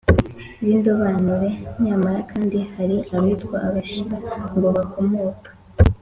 b'indobanure, nyamara kandi hari abitwa "abashira" ngo bakomoka